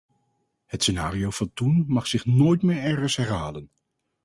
Het scenario van toen mag zich nooit meer ergens herhalen!